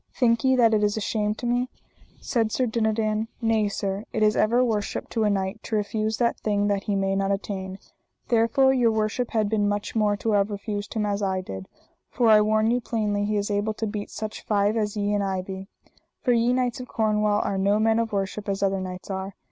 Think ye that it is a shame to me? said Sir Dinadan: nay, sir, it is ever worship to a knight to refuse that thing that he may not attain, there fore your worship had been much more to have refused him as I did; for I warn you plainly he is able to beat such five as ye and I be; for ye knights of Cornwall are no men of worship as other knights are.